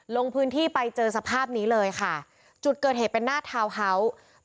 ลงพื้นที่ไปเจอสภาพนี้เลยค่ะจุดเกิดเหตุเป็นหน้าทาวน์เฮาส์